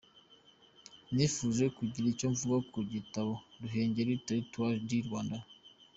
Nifuje kugira icyo mvuga ku gitabo “Ruhengeli, territoire du Rwanda.